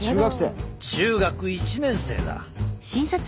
中学１年生だ。